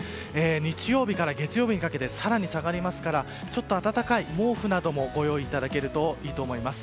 日曜日から月曜日にかけて更に下がりますから暖かい毛布などもご用意いただけるといいと思います。